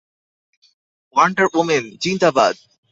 Wonder woman, জিন্দাবাদ।